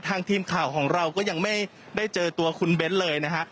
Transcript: ทีมข่าวของเราก็ยังไม่ได้เจอตัวคุณเบ้นเลยนะฮะ